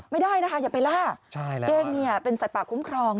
ไม่ได้นะคะอย่าไปล่าเก้งเนี่ยเป็นสัตว์ป่าคุ้มครอง